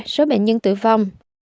ba số bệnh nhân tử vong